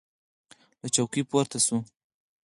له چوکۍ پورته سو.